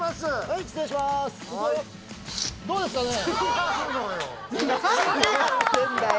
どうですかね！？